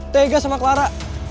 tega sama clara